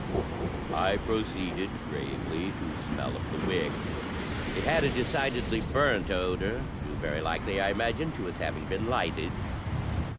I proceeded gravely to smell of the wick. It had a decidedly burnt odour, due very likely, I imagined, to its having been lighted.